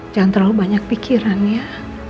jangan terlalu banyak pikiran ya